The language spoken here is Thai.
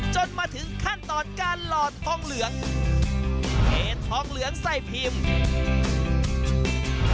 จนมาถึงขั้นตอนการหลอดทองเหลืองเห็นทองเหลืองใส่พิมพ์